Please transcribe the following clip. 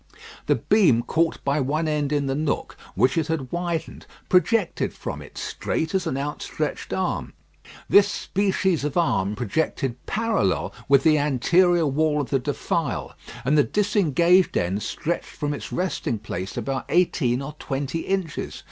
The beam caught by one end in the nook, which it had widened, projected from it straight as an outstretched arm. This species of arm projected parallel with the anterior wall of the defile, and the disengaged end stretched from its resting place about eighteen or twenty inches.